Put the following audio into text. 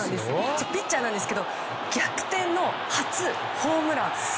ピッチャーなんですが逆転の初ホームラン。